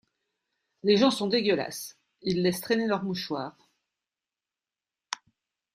Les gens sont dégueulasse: ils laissent traîner leurs mouchoirs...